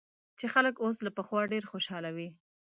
چې خلک اوس له پخوا ډېر خوشاله وي